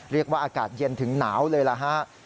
เรียกว่าอากาศเย็นถึงหนาวเลยนะครับ